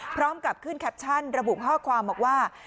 พร้อมกับขึ้นแคปชั่นระบุข้อความบอกว่า